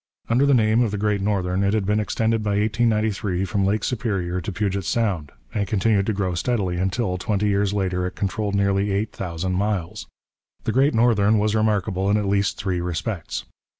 Under the name of the Great Northern it had been extended by 1893 from Lake Superior to Puget Sound, and continued to grow steadily until, twenty years later, it controlled nearly eight thousand miles. The Great Northern was remarkable in at least three respects.